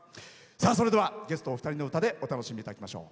それではゲストお二人の歌でお楽しみいただきましょう。